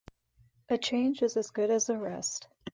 A change is as good as a rest.